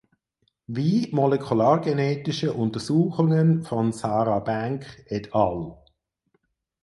Wie molekulargenetische Untersuchungen von Sarah Bank et al.